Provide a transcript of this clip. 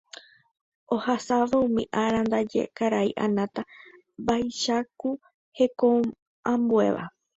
Ohasávo umi ára ndaje karai Anata vaicháku hekoambuéva.